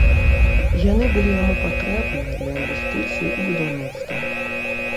Яны былі яму патрэбныя для інвестыцый у будаўніцтва.